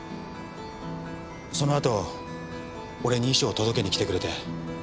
そのあと俺に遺書を届けに来てくれて。